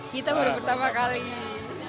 kita baru pertama kali